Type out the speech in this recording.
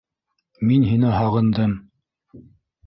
Мин һине һағындым